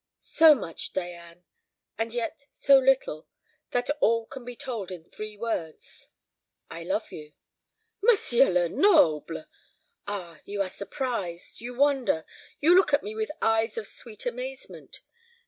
"So much, Diane; and yet so little, that all can be told in three words. I love you." "M. Lenoble!" "Ah, you are surprised, you wonder, you look at me with eyes of sweet amazement!